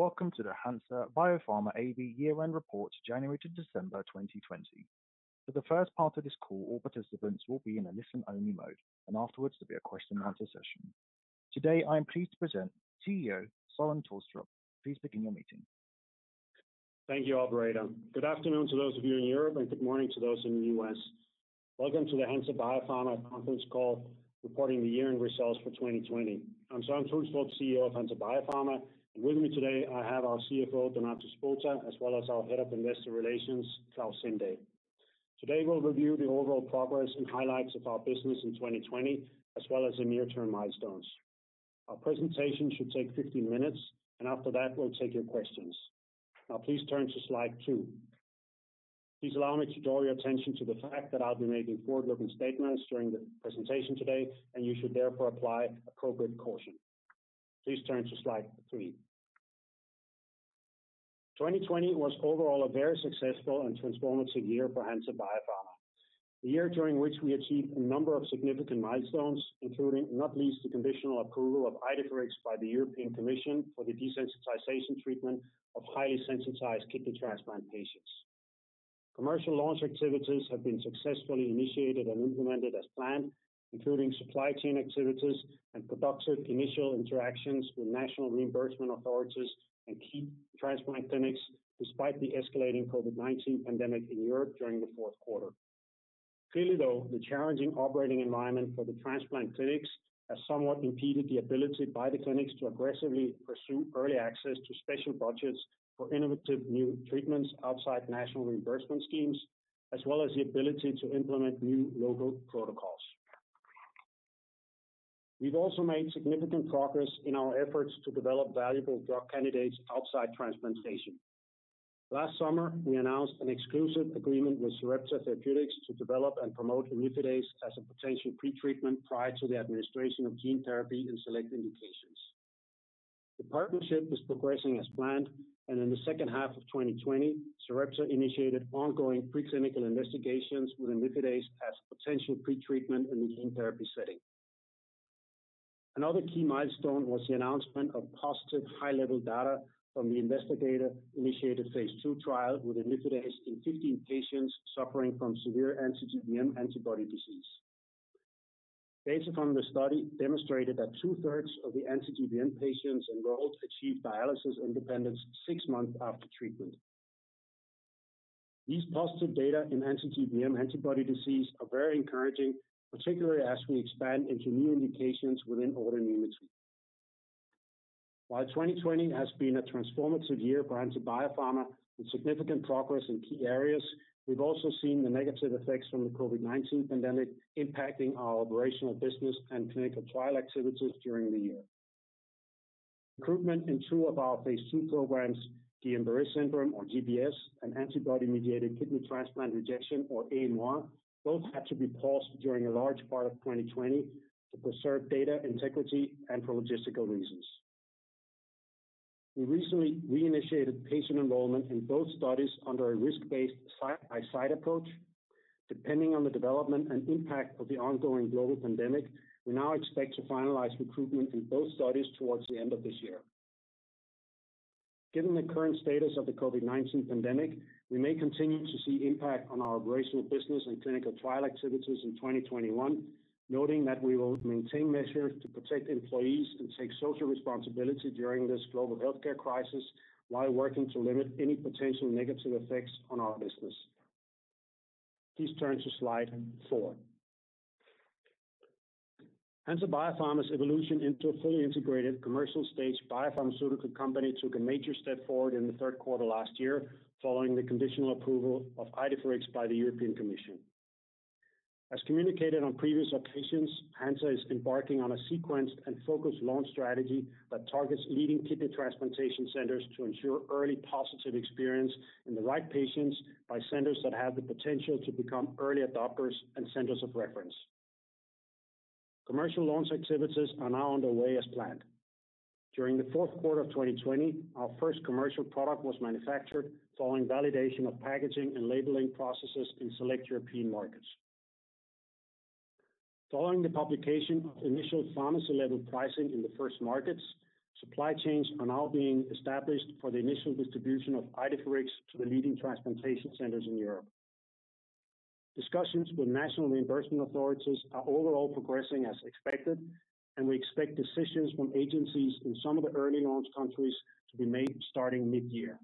Welcome to the Hansa Biopharma AB year-end report, January - December 2020. For the first part of this call, all participants will be in a listen-only mode. Afterwards, there'll be a question and answer session. Today, I am pleased to present CEO Søren Tulstrup. Please begin your meeting. Thank you, operator. Good afternoon to those of you in Europe, and good morning to those in the U.S. Welcome to the Hansa Biopharma conference call, reporting the yearly results for 2020. I'm Søren Tulstrup, CEO of Hansa Biopharma, and with me today I have our CFO, Donato Spota, as well as our Head of Investor Relations, Klaus Sindahl. Today we'll review the overall progress and highlights of our business in 2020, as well as the near-term milestones. Our presentation should take 15 minutes, and after that, we'll take your questions. Please turn to slide two. Please allow me to draw your attention to the fact that I'll be making forward-looking statements during the presentation today, and you should therefore apply appropriate caution. Please turn to slide three. 2020 was overall a very successful and transformative year for Hansa Biopharma. The year during which we achieved a number of significant milestones, including not least the conditional approval of IDEFIRIX by the European Commission for the desensitization treatment of highly sensitized kidney transplant patients. Commercial launch activities have been successfully initiated and implemented as planned, including supply chain activities and productive initial interactions with national reimbursement authorities and key transplant clinics, despite the escalating COVID-19 pandemic in Europe during the fourth quarter. Clearly, though, the challenging operating environment for the transplant clinics has somewhat impeded the ability by the clinics to aggressively pursue early access to special budgets for innovative new treatments outside national reimbursement schemes, as well as the ability to implement new local protocols. We've also made significant progress in our efforts to develop valuable drug candidates outside transplantation. Last summer, we announced an exclusive agreement with Sarepta Therapeutics to develop and promote imlifidase as a potential pretreatment prior to the administration of gene therapy in select indications. The partnership is progressing as planned, and in the second half of 2020, Sarepta initiated ongoing preclinical investigations with imlifidase as a potential pretreatment in the gene therapy setting. Another key milestone was the announcement of positive high-level data from the investigator-initiated phase II trial with imlifidase in 15 patients suffering from severe anti-GBM antibody disease. Data from the study demonstrated that two-thirds of the anti-GBM patients enrolled achieved dialysis independence six months after treatment. These positive data in anti-GBM antibody disease are very encouraging, particularly as we expand into new indications within autoimmunity. While 2020 has been a transformative year for Hansa Biopharma with significant progress in key areas, we've also seen the negative effects from the COVID-19 pandemic impacting our operational business and clinical trial activities during the year. Recruitment in two of our phase II programs, Guillain-Barré syndrome, or GBS, and antibody-mediated kidney transplant rejection, or AMR, both had to be paused during a large part of 2020 to preserve data integrity and for logistical reasons. We recently reinitiated patient enrollment in both studies under a risk-based site-by-site approach. Depending on the development and impact of the ongoing global pandemic, we now expect to finalize recruitment in both studies towards the end of this year. Given the current status of the COVID-19 pandemic, we may continue to see impact on our operational business and clinical trial activities in 2021, noting that we will maintain measures to protect employees and take social responsibility during this global healthcare crisis while working to limit any potential negative effects on our business. Please turn to slide four. Hansa Biopharma's evolution into a fully integrated commercial-stage biopharmaceutical company took a major step forward in the third quarter last year, following the conditional approval of IDEFIRIX by the European Commission. As communicated on previous occasions, Hansa is embarking on a sequenced and focused launch strategy that targets leading kidney transplantation centers to ensure early positive experience in the right patients by centers that have the potential to become early adopters and centers of reference. Commercial launch activities are now underway as planned. During the fourth quarter of 2020, our first commercial product was manufactured following validation of packaging and labeling processes in select European markets. Following the publication of initial pharmacy-level pricing in the first markets, supply chains are now being established for the initial distribution of IDEFIRIX to the leading transplantation centers in Europe. Discussions with national reimbursement authorities are overall progressing as expected, and we expect decisions from agencies in some of the early launch countries to be made starting mid-year.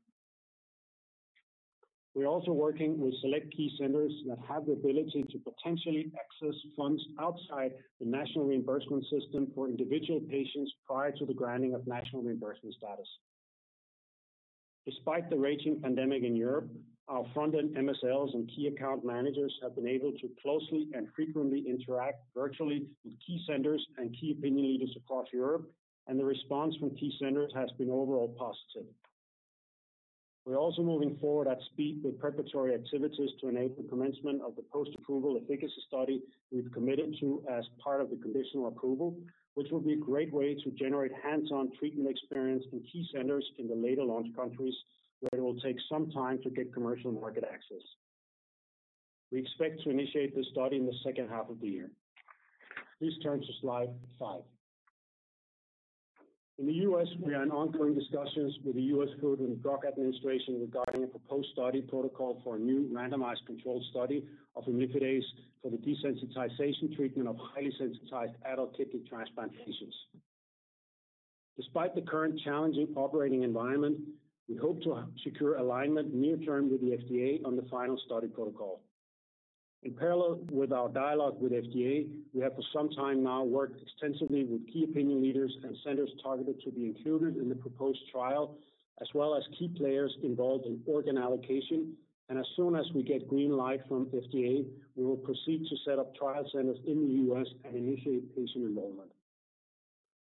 We're also working with select key centers that have the ability to potentially access funds outside the national reimbursement system for individual patients prior to the granting of national reimbursement status. Despite the raging pandemic in Europe, our front-end MSLs and key account managers have been able to closely and frequently interact virtually with key centers and key opinion leaders across Europe, and the response from key centers has been overall positive. We're also moving forward at speed with preparatory activities to enable the commencement of the post-approval efficacy study we've committed to as part of the conditional approval, which will be a great way to generate hands-on treatment experience in key centers in the later launch countries, where it will take some time to get commercial market access. We expect to initiate this study in the second half of the year. Please turn to Slide five. In the U.S., we are in ongoing discussions with the U.S. Food and Drug Administration regarding a proposed study protocol for a new randomized controlled study of imlifidase for the desensitization treatment of highly sensitized adult kidney transplant patients. Despite the current challenging operating environment, we hope to secure alignment near-term with the FDA on the final study protocol. In parallel with our dialogue with FDA, we have for some time now worked extensively with key opinion leaders and centers targeted to be included in the proposed trial, as well as key players involved in organ allocation. As soon as we get green light from FDA, we will proceed to set up trial centers in the U.S. and initiate patient enrollment.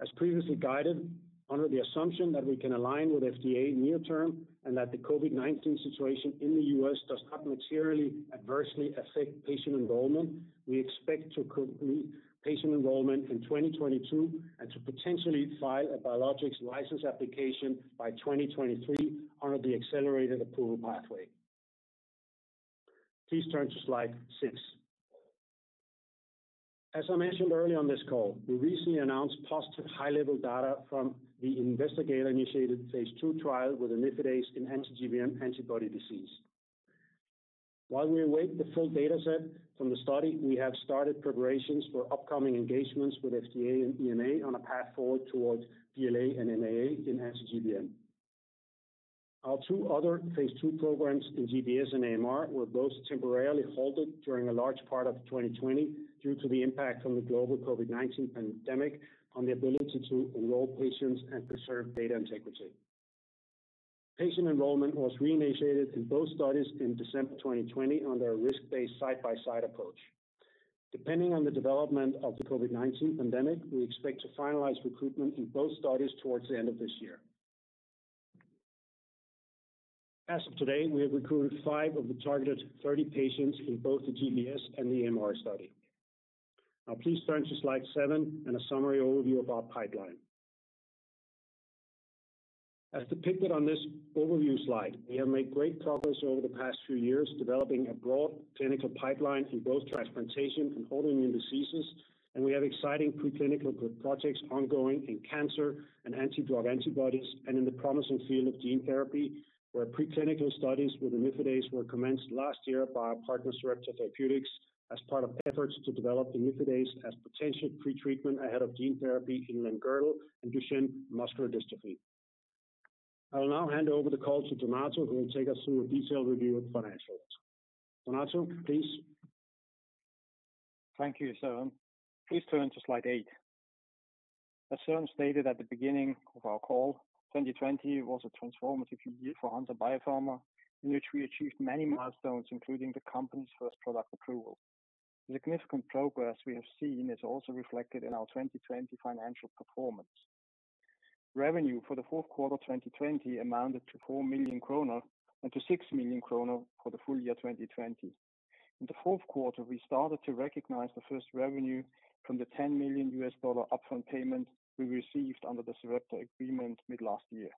As previously guided, under the assumption that we can align with FDA near term and that the COVID-19 situation in the U.S. does not materially adversely affect patient enrollment, we expect to complete patient enrollment in 2022 and to potentially file a biologics license application by 2023 under the accelerated approval pathway. Please turn to Slide six. As I mentioned earlier on this call, we recently announced positive high-level data from the investigator-initiated phase II trial with imlifidase in anti-GBM antibody disease. While we await the full data set from the study, we have started preparations for upcoming engagements with FDA and EMA on a path forward towards BLA and MAA in anti-GBM. Our two other phase II programs in GBS and AMR were both temporarily halted during a large part of 2020 due to the impact from the global COVID-19 pandemic on the ability to enroll patients and preserve data integrity. Patient enrollment was reinitiated in both studies in December 2020 under a risk-based side-by-side approach. Depending on the development of the COVID-19 pandemic, we expect to finalize recruitment in both studies towards the end of this year. As of today, we have recruited five of the targeted 30 patients in both the GBS and the AMR study. Please turn to Slide seven and a summary overview of our pipeline. As depicted on this overview slide, we have made great progress over the past few years developing a broad clinical pipeline in both transplantation and autoimmune diseases, and we have exciting preclinical projects ongoing in cancer and anti-drug antibodies and in the promising field of gene therapy, where preclinical studies with imlifidase were commenced last year by our partner, Sarepta Therapeutics, as part of efforts to develop imlifidase as potential pre-treatment ahead of gene therapy in limb-girdle and Duchenne muscular dystrophy. I will now hand over the call to Donato, who will take us through a detailed review of financials. Donato, please. Thank you, Søren. Please turn to Slide eight. As Søren stated at the beginning of our call, 2020 was a transformative year for Hansa Biopharma, in which we achieved many milestones, including the company's first product approval. The significant progress we have seen is also reflected in our 2020 financial performance. Revenue for the fourth quarter 2020 amounted to 4 million kronor and to 6 million kronor for the full year 2020. In the fourth quarter, we started to recognize the first revenue from the $10 million upfront payment we received under the Sarepta agreement mid last year.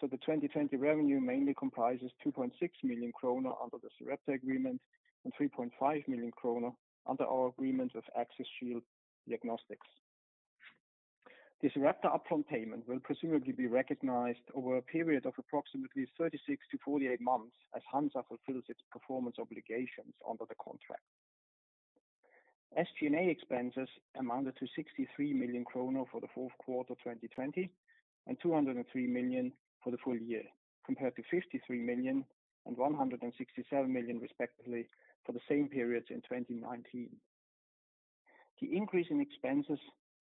The 2020 revenue mainly comprises 2.6 million kronor under the Sarepta agreement and 3.5 million kronor under our agreement with Axis-Shield Diagnostics. The Sarepta upfront payment will presumably be recognized over a period of approximately 36-48 months as Hansa fulfills its performance obligations under the contract. SG&A expenses amounted to 63 million kronor for the fourth quarter 2020 and 203 million for the full year, compared to 53 million and 167 million respectively for the same periods in 2019. The increase in expenses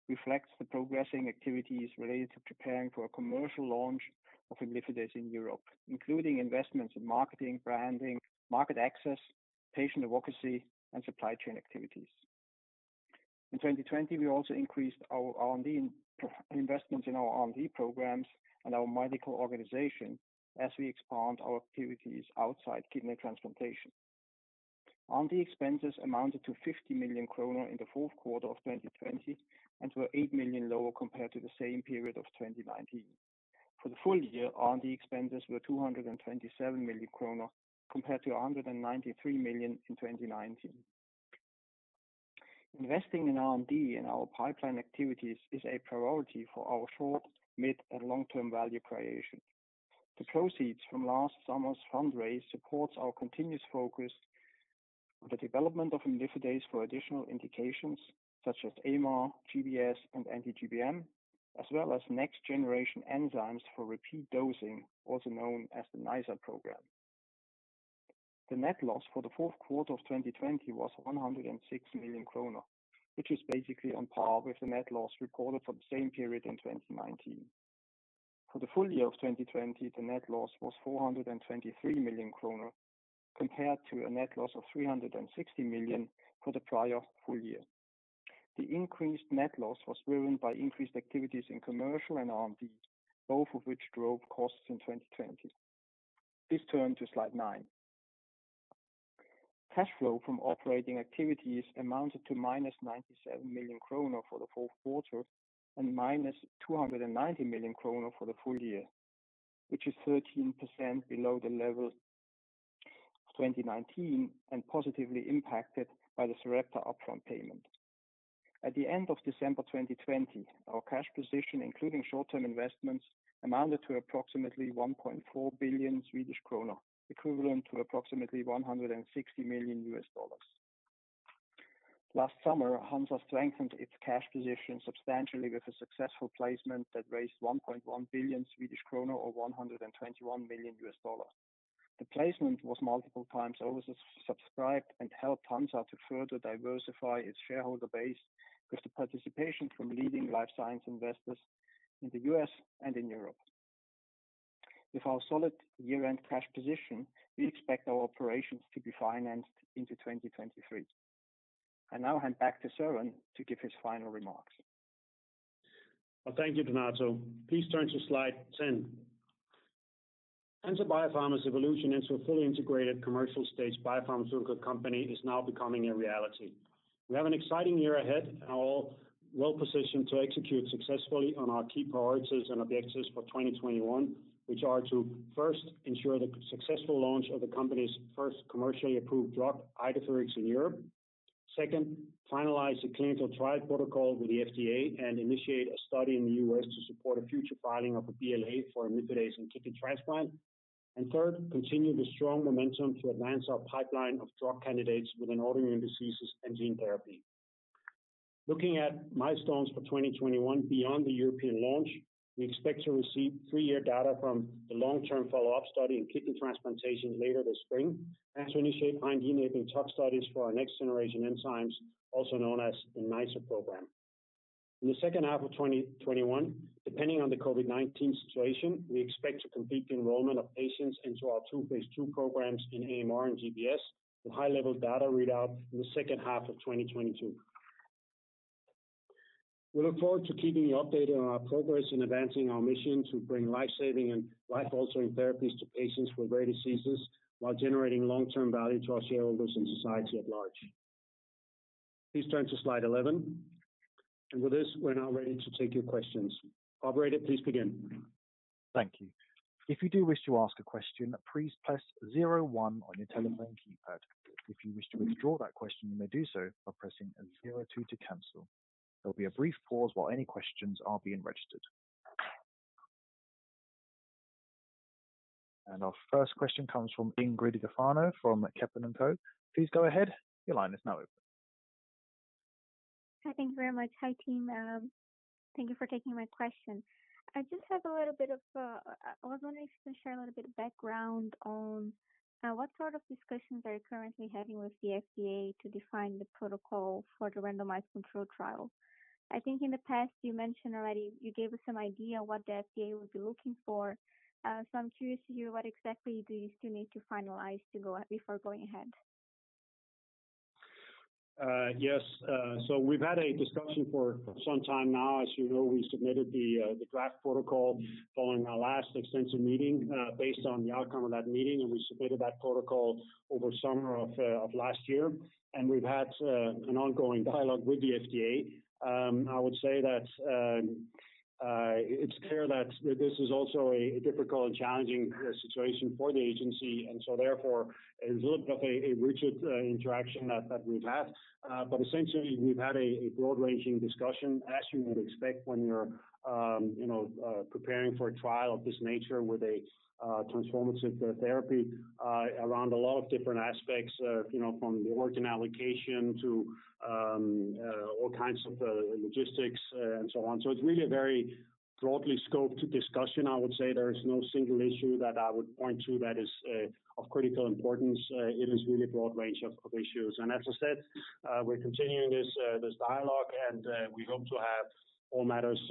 reflects the progressing activities related to preparing for a commercial launch of IDEFIRIX in Europe, including investments in marketing, branding, market access, patient advocacy, and supply chain activities. In 2020, we also increased our R&D investments in our R&D programs and our medical organization as we expand our activities outside kidney transplantation. R&D expenses amounted to 50 million kronor in the fourth quarter of 2020 and were 8 million lower compared to the same period of 2019. For the full year, R&D expenses were 227 million kronor compared to 193 million in 2019. Investing in R&D and our pipeline activities is a priority for our short, mid, and long-term value creation. The proceeds from last summer's fundraise supports our continuous focus on the development of imlifidase for additional indications such as AMR, GBS, and anti-GBM, as well as next-generation enzymes for repeat dosing, also known as the NiceR program. The net loss for the fourth quarter of 2020 was 106 million kronor, which is basically on par with the net loss recorded for the same period in 2019. For the full year of 2020, the net loss was 423 million kronor compared to a net loss of 360 million for the prior full year. The increased net loss was driven by increased activities in commercial and R&D, both of which drove costs in 2020. Please turn to Slide nine. Cash flow from operating activities amounted to -97 million kronor for the fourth quarter and -290 million kronor for the full year. Which is 13% below the level of 2019 and positively impacted by the Sarepta upfront payment. At the end of December 2020, our cash position, including short-term investments, amounted to approximately 1.4 billion Swedish kronor, equivalent to approximately $160 million. Last summer, Hansa strengthened its cash position substantially with a successful placement that raised 1.1 billion Swedish krona or $121 million. The placement was multiple times oversubscribed and helped Hansa to further diversify its shareholder base with the participation from leading life science investors in the U.S. and in Europe. With our solid year-end cash position, we expect our operations to be financed into 2023. I now hand back to Søren to give his final remarks. Well, thank you, Donato. Please turn to slide 10. Hansa Biopharma's evolution into a fully integrated commercial-stage biopharmaceutical company is now becoming a reality. We have an exciting year ahead, and are well-positioned to execute successfully on our key priorities and objectives for 2021, which are to, first, ensure the successful launch of the company's first commercially approved drug, IDEFIRIX, in Europe. Second, finalize the clinical trial protocol with the FDA and initiate a study in the U.S. to support a future filing of a BLA for imlifidase in kidney transplant. Third, continue the strong momentum to advance our pipeline of drug candidates within autoimmune diseases and gene therapy. Looking at milestones for 2021 beyond the European launch, we expect to receive three-year data from the long-term follow-up study in kidney transplantation later this spring, and to initiate IND-enabling tox studies for our next-generation enzymes, also known as the NiceR program. In the second half of 2021, depending on the COVID-19 situation, we expect to complete the enrollment of patients into our two phase II programs in AMR and GBS, with high-level data readout in the second half of 2022. We look forward to keeping you updated on our progress in advancing our mission to bring life-saving and life-altering therapies to patients with rare diseases while generating long-term value to our shareholders and society at large. Please turn to slide 11. With this, we're now ready to take your questions. Operator, please begin. Thank you. If you do wish to ask a question, please press zero one on your telephone keypad. If you wish to withdraw that question, you may do so by pressing zero two to cancel. There'll be a brief pause while any questions are being registered. Our first question comes from Ingrid Gafanhão from Kepler Cheuvreux. Please go ahead. Your line is now open. Hi, thank you very much. Hi, team. Thank you for taking my question. I was wondering if you can share a little bit of background on what sort of discussions are you currently having with the FDA to define the protocol for the randomized controlled trial? I think in the past you mentioned already, you gave us some idea what the FDA would be looking for. I'm curious to hear what exactly do you still need to finalize before going ahead? Yes. We've had a discussion for some time now. As you know, we submitted the draft protocol following our last extensive meeting based on the outcome of that meeting. We submitted that protocol over summer of last year, and we've had an ongoing dialogue with the FDA. I would say that it's clear that this is also a difficult and challenging situation for the agency. Therefore it's a little bit of a rigid interaction that we've had. Essentially, we've had a broad-ranging discussion, as you would expect when you're preparing for a trial of this nature with a transformative therapy around a lot of different aspects from the organ allocation to all kinds of logistics and so on. It's really a very broadly scoped discussion, I would say. There is no single issue that I would point to that is of critical importance. It is really a broad range of issues. As I said, we're continuing this dialogue, and we hope to have all matters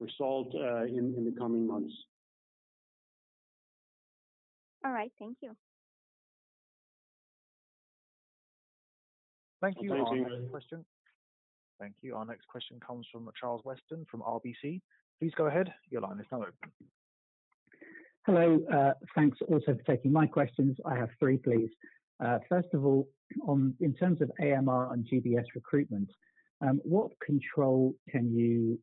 resolved in the coming months. All right. Thank you. Thank you. Thank you. Our next question comes from Charles Weston from RBC. Please go ahead. Your line is now open. Hello. Thanks also for taking my questions. I have three, please. First of all, in terms of AMR and GBS recruitment, what can you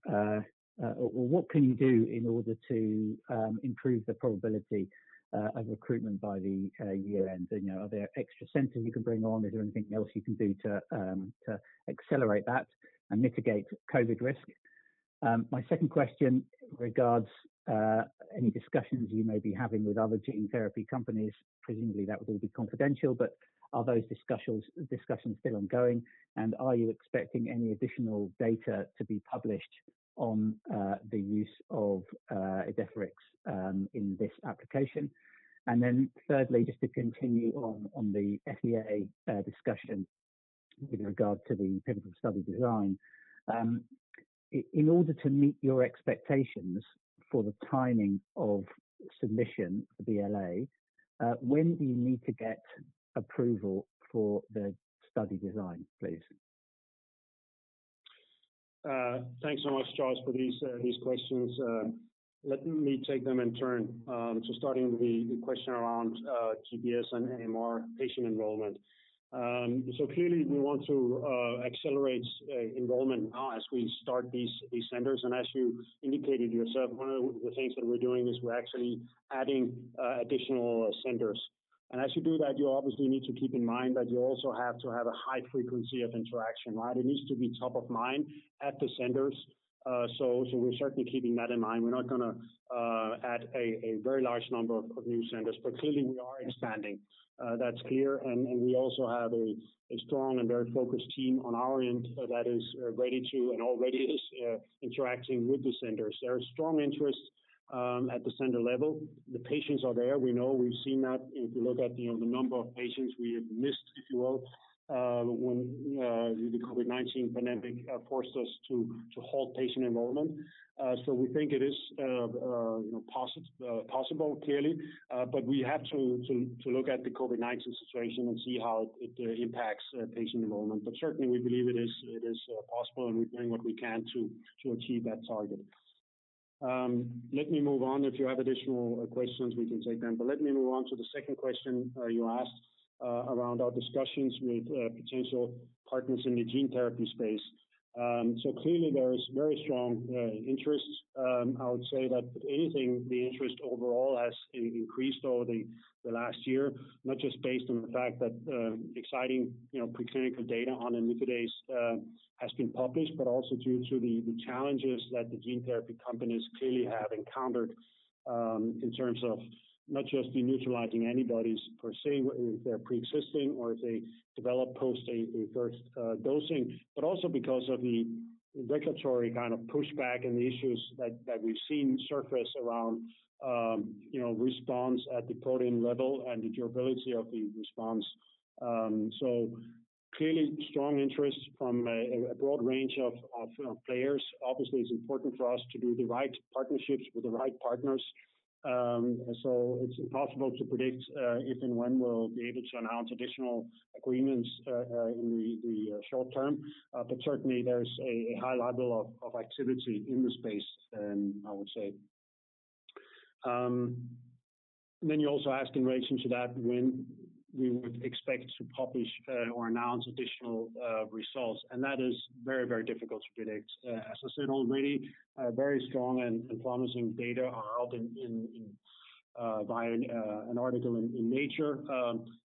do in order to improve the probability of recruitment by the year-end? Are there extra centers you can bring on? Is there anything else you can do to accelerate that and mitigate COVID risk? My second question regards any discussions you may be having with other gene therapy companies. Presumably, that would all be confidential, but are those discussions still ongoing, and are you expecting any additional data to be published on the use of IDEFIRIX in this application? Thirdly, just to continue on the FDA discussion with regard to the pivotal study design. In order to meet your expectations for the timing of submission of the BLA, when do you need to get approval for the study design, please? Thanks much, Charles, for these questions. Let me take them in turn. Starting with the question around GBS and AMR patient enrollment. Clearly we want to accelerate enrollment now as we start these centers. As you indicated yourself, one of the things that we're doing is we're actually adding additional centers. As you do that, you obviously need to keep in mind that you also have to have a high frequency of interaction, right? It needs to be top of mind at the centers. We're certainly keeping that in mind. We're not going to add a very large number of new centers, but clearly we are expanding. That's clear. We also have a strong and very focused team on our end that is ready to, and already is interacting with the centers. There is strong interest at the center level. The patients are there. We know. We've seen that if you look at the number of patients we have missed, if you will, when the COVID-19 pandemic forced us to halt patient enrollment. We think it is possible, clearly, but we have to look at the COVID-19 situation and see how it impacts patient enrollment. Certainly, we believe it is possible, and we're doing what we can to achieve that target. Let me move on. If you have additional questions, we can take them. Let me move on to the second question you asked around our discussions with potential partners in the gene therapy space. Clearly there is very strong interest. I would say that if anything, the interest overall has increased over the last year, not just based on the fact that exciting preclinical data on imlifidase has been published, but also due to the challenges that the gene therapy companies clearly have encountered in terms of not just neutralizing antibodies You also asked in relation to that, when we would expect to publish or announce additional results. That is very, very difficult to predict. As I said already, very strong and promising data are out via an article in Nature.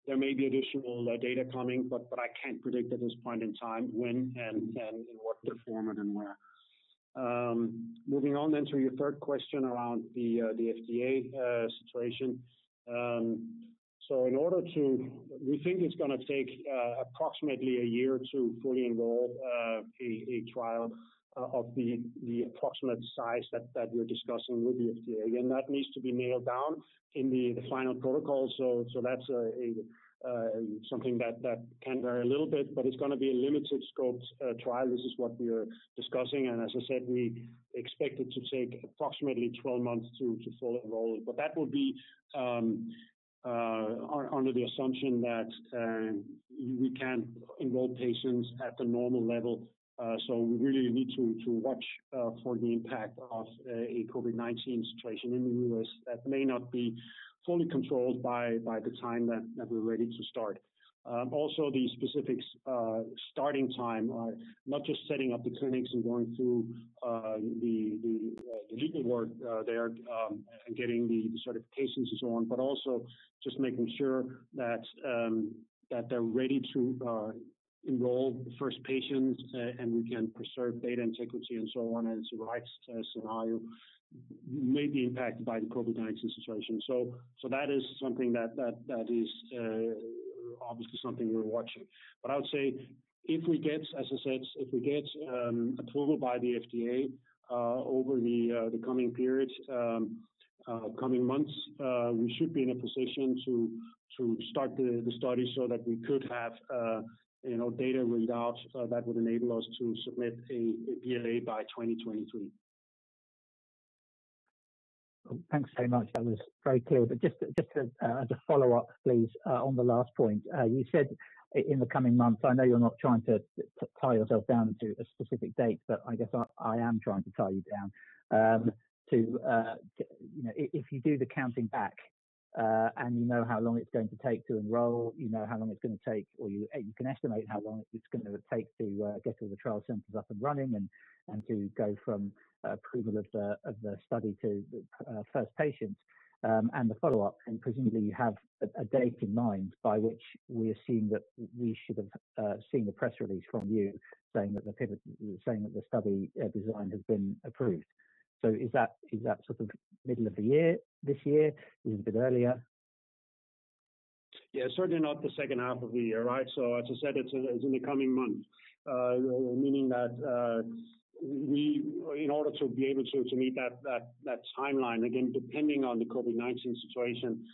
There may be additional data coming, but I can't predict at this point in time when and in what format and where. Moving on to your third question around the FDA situation. We think it's going to take approximately a year to fully enroll a trial of the approximate size that we're discussing with the FDA. Again, that needs to be nailed down in the final protocol. That's something that can vary a little bit, but it's going to be a limited scope trial. This is what we are discussing, and as I said, we expect it to take approximately 12 months to fully enroll. That will be under the assumption that we can enroll patients at the normal level. We really need to watch for the impact of a COVID-19 situation in the U.S. that may not be fully controlled by the time that we're ready to start. The specific starting time, not just setting up the clinics and going through the legal work there and getting the certifications and so on, but also just making sure that they're ready to enroll the first patients, and we can preserve data integrity and so on as the right scenario may be impacted by the COVID-19 situation. That is obviously something we're watching. I would say if we get approval by the FDA over the coming months, we should be in a position to start the study so that we could have data readouts that would enable us to submit a BLA by 2023. Thanks very much. That was very clear. Just as a follow-up, please, on the last point. You said in the coming months. I know you're not trying to tie yourself down to a specific date, but I guess I am trying to tie you down. If you do the counting back and you know how long it's going to take to enroll, you know how long it's going to take, or you can estimate how long it's going to take to get all the trial centers up and running and to go from approval of the study to the first patient and the follow-up. Presumably you have a date in mind by which we assume that we should have seen a press release from you saying that the study design has been approved. Is that sort of middle of the year this year? Is it a bit earlier? Yeah, certainly not the second half of the year, right? As I said, it's in the coming months. Meaning that in order to be able to meet that timeline, again, depending on the COVID-19 situation,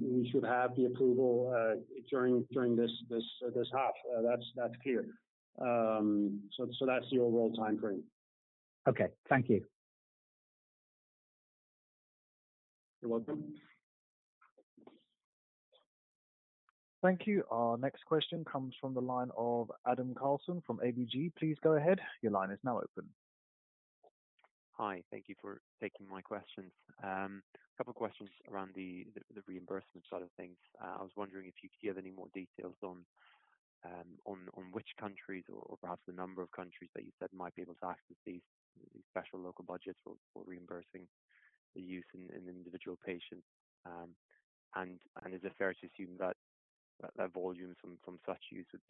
we should have the approval during this half. That's clear. That's the overall time frame. Okay. Thank you. You're welcome. Thank you. Our next question comes from the line of Adam Carlson from ABG. Please go ahead. Hi. Thank you for taking my questions. A couple questions around the reimbursement side of things. I was wondering if you could give any more details on which countries or perhaps the number of countries that you said might be able to access these special local budgets for reimbursing the use in individual patients. Is it fair to assume that volume from such use would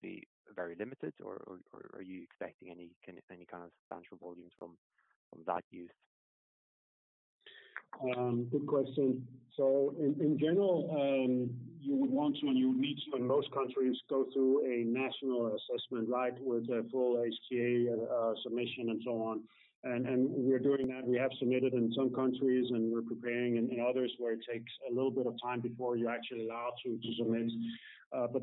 be very limited, or are you expecting any kind of substantial volumes from that use? Good question. In general, you would want to and you would need to, in most countries, go through a national assessment with a full HTA submission and so on. We're doing that. We have submitted in some countries, and we're preparing in others where it takes a little bit of time before you're actually allowed to submit.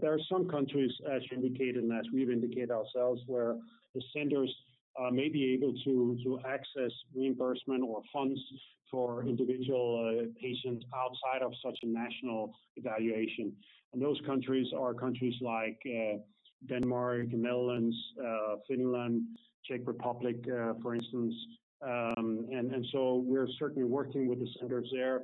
There are some countries, as you indicated, and as we've indicated ourselves, where the centers may be able to access reimbursement or funds for individual patients outside of such a national evaluation. Those countries are countries like Denmark, Netherlands, Finland, Czech Republic, for instance. We're certainly working with the centers there.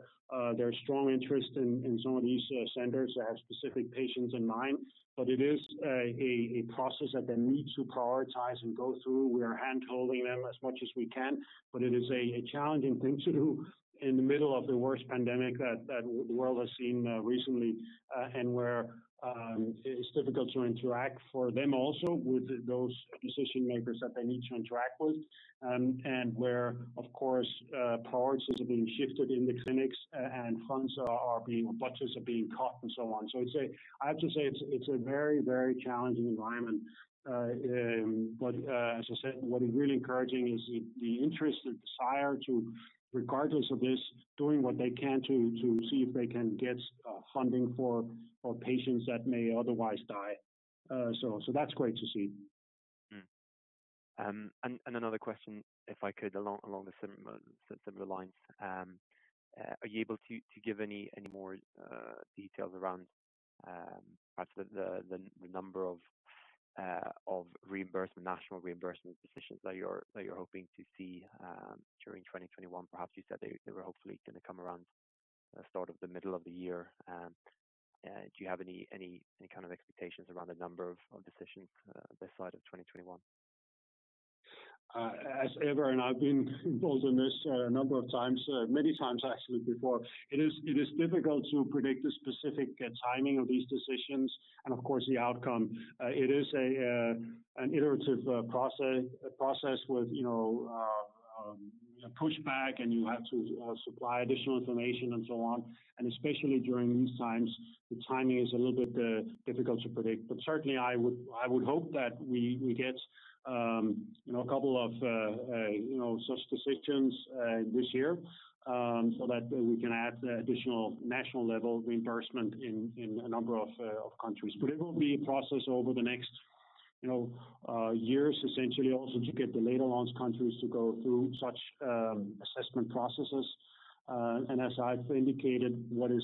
There's strong interest in some of these centers that have specific patients in mind. It is a process that they need to prioritize and go through. We are handholding them as much as we can, but it is a challenging thing to do in the middle of the worst pandemic that the world has seen recently, and where it's difficult to interact for them also with those decision-makers that they need to interact with. Where, of course, priorities are being shifted in the clinics and funds are being, or budgets are being cut, and so on. I have to say, it's a very challenging environment. As I said, what is really encouraging is the interest and desire to, regardless of this, doing what they can to see if they can get funding for patients that may otherwise die. That's great to see. Another question, if I could, along the similar lines. Are you able to give any more details around perhaps the number of national reimbursement decisions that you're hoping to see during 2021? Perhaps you said they were hopefully going to come around the start of the middle of the year. Do you have any kind of expectations around the number of decisions this side of 2021? As ever, and I've been involved in this a number of times, many times actually before, it is difficult to predict the specific timing of these decisions and of course, the outcome. It is an iterative process with pushback, and you have to supply additional information, and so on. Especially during these times, the timing is a little bit difficult to predict. Certainly, I would hope that we get a couple of such decisions this year so that we can add additional national-level reimbursement in a number of countries. It will be a process over the next years, essentially, also to get the later launch countries to go through such assessment processes. As I've indicated, what is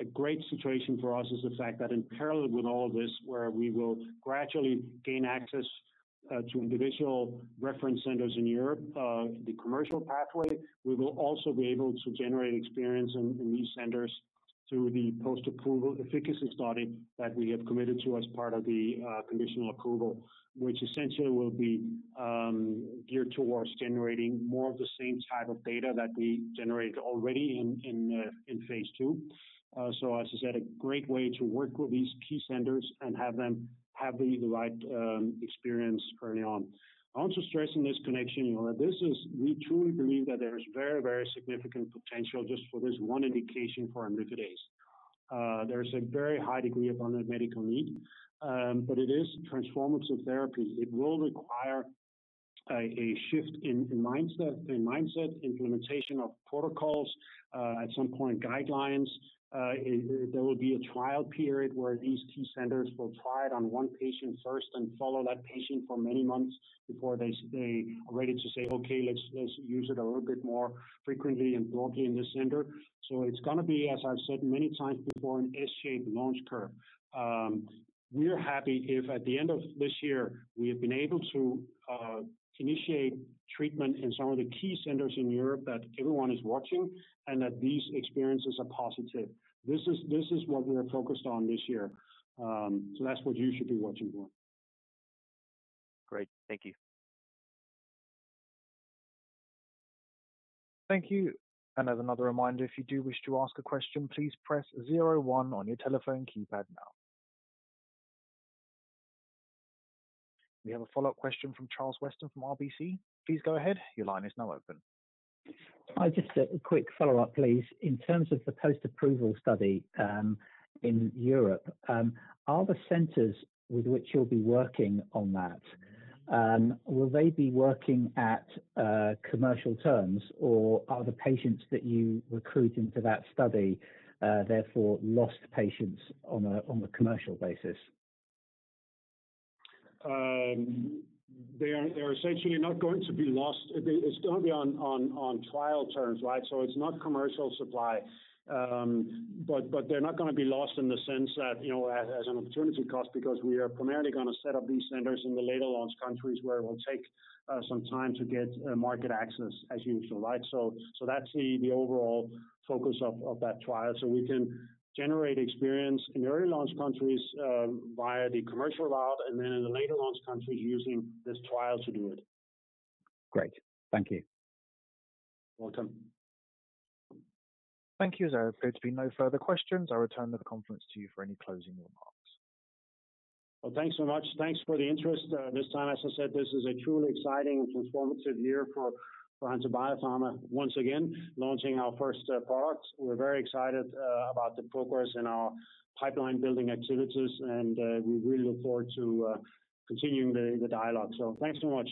a great situation for us is the fact that in parallel with all of this, where we will gradually gain access to individual reference centers in Europe, the commercial pathway, we will also be able to generate experience in these centers through the post-approval efficacy study that we have committed to as part of the conditional approval. Which essentially will be geared towards generating more of the same type of data that we generated already in phase II. As I said, a great way to work with these key centers and have them have the right experience early on. I want to stress in this connection, we truly believe that there is very significant potential just for this one indication for amyloidosis. There is a very high degree of unmet medical need. It is transformative therapy. It will require a shift in mindset, implementation of protocols, at some point guidelines. There will be a trial period where these key centers will try it on one patient first and follow that patient for many months before they are ready to say, "Okay, let's use it a little bit more frequently and broadly in this center." It's going to be, as I've said many times before, an S-shaped launch curve. We're happy if at the end of this year, we have been able to initiate treatment in some of the key centers in Europe that everyone is watching and that these experiences are positive. This is what we are focused on this year. That's what you should be watching for. Great. Thank you. Thank you. As another reminder, if you do wish to ask a question, please press 01 on your telephone keypad now. We have a follow-up question from Charles Weston from RBC. Please go ahead. Hi, just a quick follow-up, please. In terms of the post-approval study in Europe, are the centers with which you'll be working on that, will they be working at commercial terms, or are the patients that you recruit into that study therefore lost patients on a commercial basis? They're essentially not going to be lost. It's going to be on trial terms. It's not commercial supply. They're not going to be lost in the sense that as an opportunity cost, because we are primarily going to set up these centers in the later launch countries where it will take some time to get market access as usual. That's the overall focus of that trial. We can generate experience in the early launch countries via the commercial route and then in the later launch countries using this trial to do it. Great. Thank you. Welcome. Thank you. As there appear to be no further questions, I return the conference to you for any closing remarks. Well, thanks so much. Thanks for the interest this time. As I said, this is a truly exciting and transformative year for Hansa Biopharma, once again launching our first product. We're very excited about the progress in our pipeline-building activities, and we really look forward to continuing the dialogue. Thanks so much.